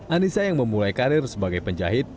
anissa yang memulai karir sebagai penjahit